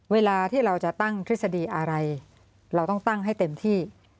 เวลาที่เราจะตั้งทฤษฎีอะไรเราต้องตั้งให้เต็มที่